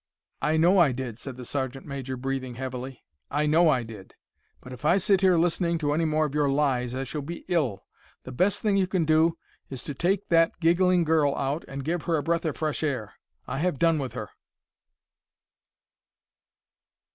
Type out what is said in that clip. "I know I did," said the sergeant major, breathing heavily. "I know I did; but if I sit here listening to any more of your lies I shall be ill. The best thing you can do is to take that giggling girl out and give her a breath of fresh air. I have done with her."